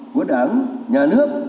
của đảng nhà nước